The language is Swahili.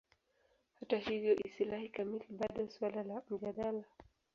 Hata hivyo, istilahi kamili bado suala la mjadala.